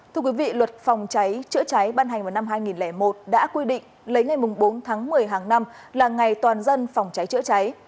thưa quý vị luật phòng cháy chữa cháy ban hành vào năm hai nghìn một đã quy định lấy ngày bốn tháng một mươi hàng năm là ngày toàn dân phòng cháy chữa cháy